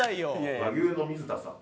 和牛の水田さん。